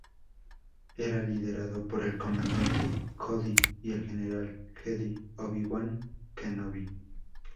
Era liderado por el Comandante Cody y el General Jedi Obi-Wan Kenobi.